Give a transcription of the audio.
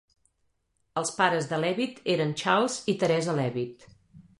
Els pares de Levitt eren Charles i Teresa Levitt.